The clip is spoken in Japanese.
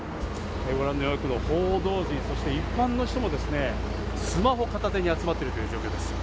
ご覧のように報道陣、そして一般の人もですね、スマホを片手に集まっているという状況です。